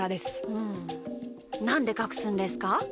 うんなんでかくすんですか？